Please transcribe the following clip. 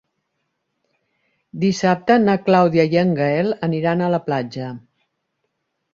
Dissabte na Clàudia i en Gaël aniran a la platja.